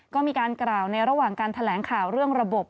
ก็มีการกล่าวในระหว่างการแถลงข่าวเรื่องระบบ